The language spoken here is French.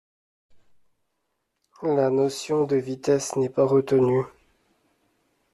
La notion de vitesse n’est pas retenue.